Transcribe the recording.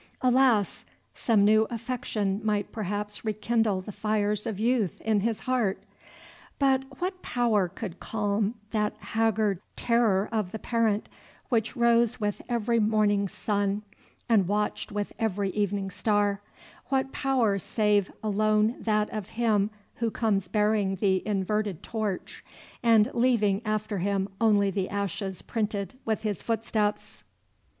Alas! some new affection might perhaps rekindle the fires of youth in his heart; but what power could calm that haggard terror of the parent which rose with every morning's sun and watched with every evening star, what power save alone that of him who comes bearing the inverted torch, and leaving after him only the ashes printed with his footsteps?